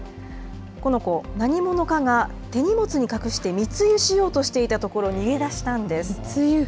この子、何者かが手荷物に隠して密輸しようとしていたところ、逃げ出した密輸？